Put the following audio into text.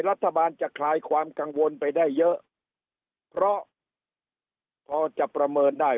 รัฐบาลจะคลายความกังวลไปได้เยอะเพราะพอจะประเมินได้